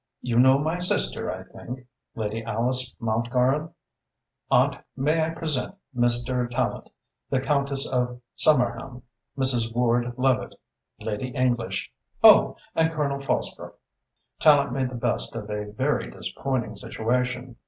You know my sister, I think Lady Alice Mountgarron? Aunt, may I present Mr. Tallente the Countess of Somerham. Mrs. Ward Levitte Lady English oh! and Colonel Fosbrook." Tallente made the best of a very disappointing situation.